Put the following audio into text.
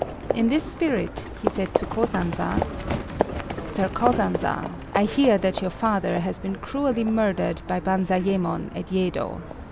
In this spirit he said to Kosanza "Sir Kosanza, I hear that your father has been cruelly murdered by Banzayémon at Yedo.